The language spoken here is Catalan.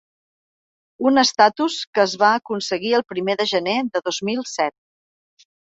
Un estatus que es va aconseguir el primer de gener de dos mil set.